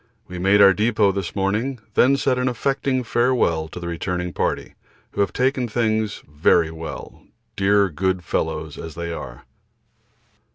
We made our depot this morning, then said an affecting farewell to the returning party, who have taken things very well, dear good fellows as they are.